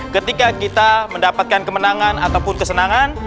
ketika kita mendapatkan kemenangan ataupun kesenangan